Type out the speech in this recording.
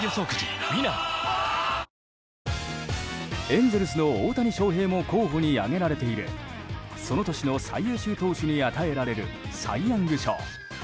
エンゼルスの大谷翔平も候補に挙げられているその年の最優秀投手に与えられるサイ・ヤング賞。